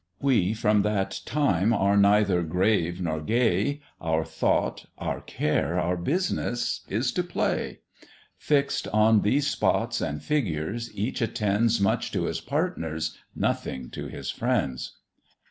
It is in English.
We from that time are neither grave nor gay; Our thought, our care, our business is to play: Fix'd on these spots and figures, each attends Much to his partners, nothing to his friends.